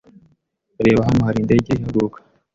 Reba! Hano hari indege ihaguruka.